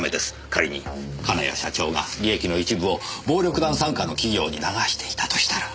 仮に金谷社長が利益の一部を暴力団傘下の企業に流していたとしたら。